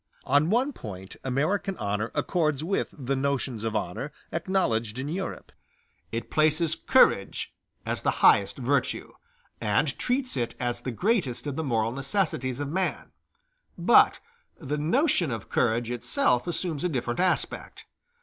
On one point American honor accords with the notions of honor acknowledged in Europe; it places courage as the highest virtue, and treats it as the greatest of the moral necessities of man; but the notion of courage itself assumes a different aspect.